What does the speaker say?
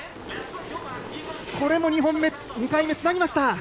これも２本目２回目つなぎました。